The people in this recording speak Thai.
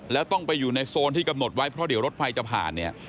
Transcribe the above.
แล้วต้องไปอยู่ในโซนที่กำหนดไว้เพราะเดี๋ยวรถไฟจะผ่านเนี่ย